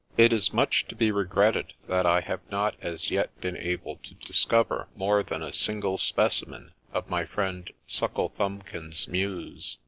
It is much to be regretted that I have not as yet been able to discover more than a single specimen of my friend ' Suckle thuinbkin's ' Muse.